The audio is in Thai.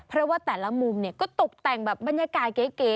เพราะว่าแต่ละมุมก็ตกแต่งแบบบรรยากาศเก๋